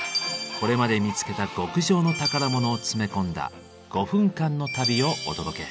これまで見つけた極上の宝物を詰め込んだ５分間の旅をお届け。